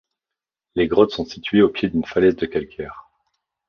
Les grottes sont situées au pied d'une falaise de calcaire.